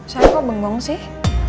saya kok benggong sih